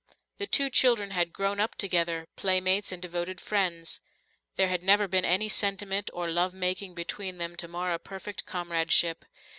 The two children had grown up together, playmates and devoted friends. There had never been any sentiment or lovemaking between them to mar a perfect comradeship.